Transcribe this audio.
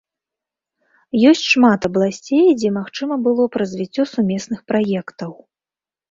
Ёсць шмат абласцей, дзе магчыма было б развіццё сумесных праектаў.